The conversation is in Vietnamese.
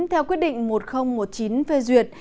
theo quyết định một nghìn một mươi chín phê duyệt